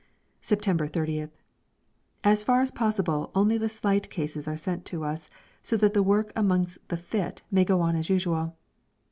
September 30th. As far as possible only the slight cases are sent to us, so that the work amongst the fit may go on as usual.